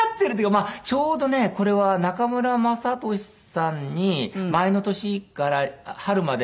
まあちょうどねこれは中村雅俊さんに前の年から春まで。